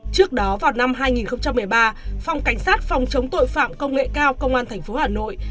trước đó vào năm hai nghìn một mươi ba phòng cảnh sát phòng chống tội phạm công nghệ cao công an tp hà nội